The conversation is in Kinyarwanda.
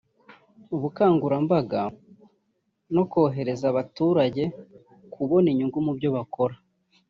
ubukangurambaga no korohereza abaturage kubona inyungu mu byo bakora